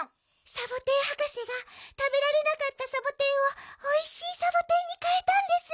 サボテンはかせがたべられなかったサボテンをおいしいサボテンにかえたんです。